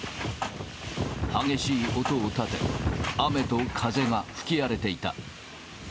激しい音を立て、雨と風が吹き荒れていた。